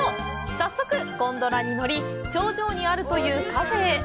早速、ゴンドラに乗り頂上にあるというカフェへ。